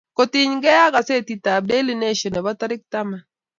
kotiny ge ak gazetit ab daily nation nebo tarik taman